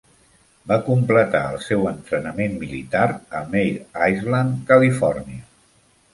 Va completar el seu entrenament miliar a Mare Island, Califòrnia.